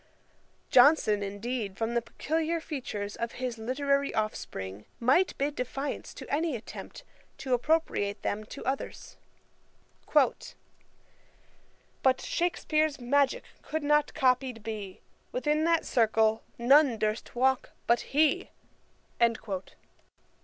Johnson, indeed, from the peculiar features of his literary offspring, might bid defiance to any attempt to appropriate them to others. 'But Shakspeare's magick could not copied be, Within that circle none durst walk but he!' [Page 361: Letter to Mr. Baretti. Ætat 52.